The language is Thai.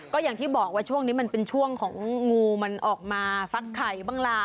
ก็อย่างที่บอกว่าช่วงนี้มันเป็นช่วงของงูมันออกมาฟักไข่บ้างล่ะ